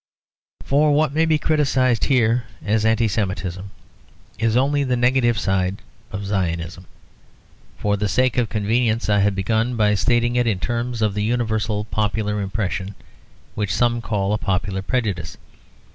For what may be criticised here as Anti Semitism is only the negative side of Zionism. For the sake of convenience I have begun by stating it in terms of the universal popular impression which some call a popular prejudice.